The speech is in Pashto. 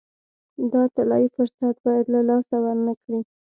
دا طلایي فرصت باید له لاسه ورنه کړي.